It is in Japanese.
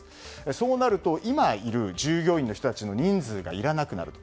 そうなると、今いる従業員の人たちの人数がいらなくなると。